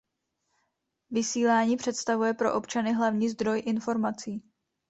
Vysílání představuje pro občany hlavní zdroj informací.